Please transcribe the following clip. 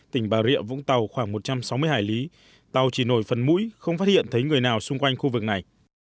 tỉnh bà rịa vũng tàu khoảng một trăm sáu mươi hải lý tàu chỉ nổi phần mũi không phát hiện thấy người nào xung quanh khu vực này